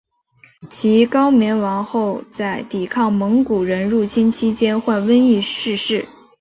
其高棉王后在抵抗蒙古人入侵期间患瘟疫逝世。